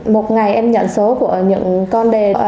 một ngày em nhận số của những con đề